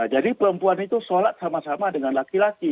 jadi perempuan itu sholat sama sama dengan laki laki